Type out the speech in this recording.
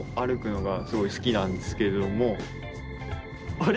あれ？